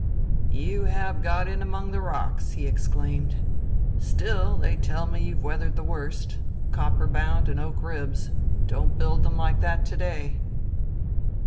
"You have got in among the rocks!" he exclaimed. "Still they tell me you've weathered the worst. Copper bound and oak ribs. Don't build them like that to day."